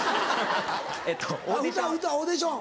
えっとオーディション。